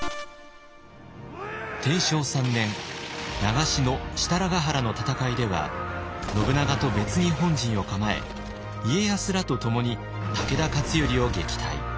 天正３年長篠・設楽原の戦いでは信長と別に本陣を構え家康らとともに武田勝頼を撃退。